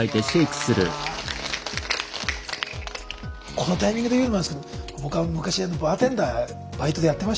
このタイミングで言うのもなんですけど僕は昔バーテンダーバイトでやってまして。